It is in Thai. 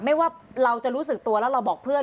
ไม่ว่าเราจะรู้สึกตัวแล้วเราบอกเพื่อน